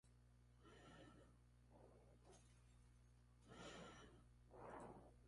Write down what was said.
Están a cargo de un Juez de Distrito.